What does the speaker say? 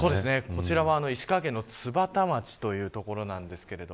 こちらは石川県の津幡町という所です。